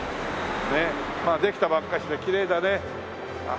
ねえできたばっかしできれいだね。